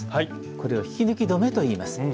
これを引き抜き止めといいます。